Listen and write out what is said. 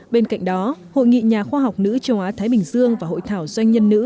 bên cạnh đó hội nghị nhà khoa học nữ châu á thái bình dương và hội thảo doanh nhân nữ